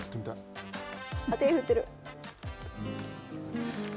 手、振ってる。